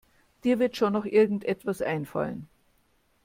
Dir wird schon noch irgendetwas einfallen.